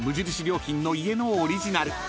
良品の家のオリジナル］